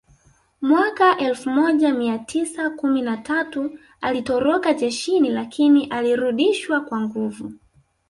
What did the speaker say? Mwaka elfu moja mia tisa kumi na tatu alitoroka jeshini lakini alirudishwa kwa nguvu